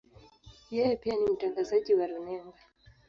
Yeye pia ni mtangazaji wa runinga.